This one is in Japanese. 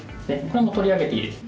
これはもう取り上げていいです。